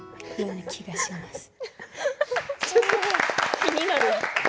気になる。